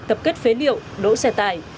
tập kết phế liệu đỗ xe tài